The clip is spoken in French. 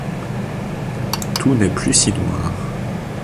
Tout n'est plus si noir...